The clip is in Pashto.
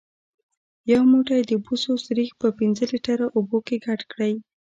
یو موټی د بوسو سريښ په پنځه لیتره اوبو کې ګډ کړئ.